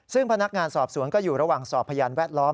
ซึ่งพนักงานสอบสวนก็อยู่ระหว่างสอบพยานแวดล้อม